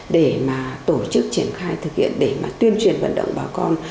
để mà tổ chức triển khai thực hiện để mà tuyên truyền vận động bà con